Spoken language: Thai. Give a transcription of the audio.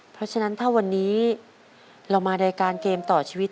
เพราะฉะนั้นถ้าวันนี้เรามารายการเกมต่อชีวิต